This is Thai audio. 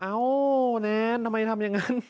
เอ้าแนนทำไมทำอย่างนั้น